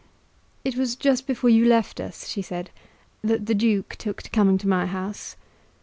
"It was just before you left us," she said, "that the Duke took to coming to my house."